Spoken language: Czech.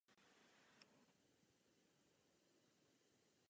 V těsné blízkosti rezervace se nachází velká pískovna.